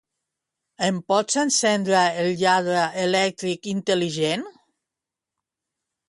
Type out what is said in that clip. Em pots encendre el lladre elèctric intel·ligent?